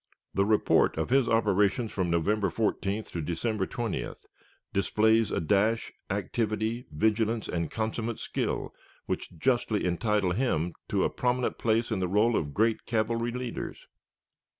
The report of his operations from November 14th to December 20th displays a dash, activity, vigilance, and consummate skill, which justly entitle him to a prominent place on the roll of great cavalry leaders.